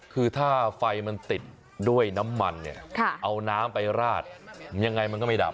คือถ้าไฟมันติดด้วยน้ำมันเนี่ยเอาน้ำไปราดยังไงมันก็ไม่ดับ